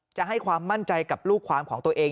จะให้ความมั่นใจกับลูกความของตัวเอง